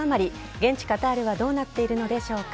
現地・カタールはどうなっているのでしょうか。